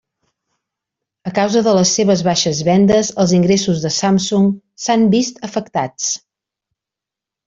A causa de les seves baixes vendes els ingressos de Samsung s'han vist afectats.